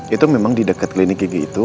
itu memang di dekat klinik gigi itu